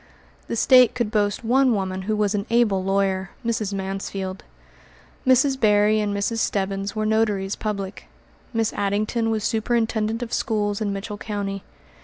The State could boast one woman who was an able lawyer, Mrs. Mansfield. Mrs. Berry and Mrs. Stebbins were notaries public. Miss Addington was superintendent of schools in Mitchell County.